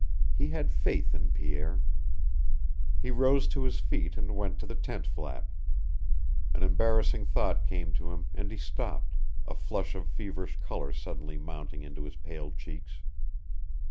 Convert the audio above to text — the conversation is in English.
He had faith in Pierre. He rose to his feet and went to the tent flap. An embarrassing thought came to him, and he stopped, a flush of feverish color suddenly mounting into his pale cheeks.